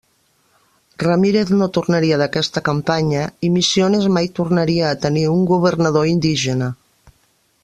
Ramírez no tornaria d'aquesta campanya i Misiones mai tornaria a tenir un governador indígena.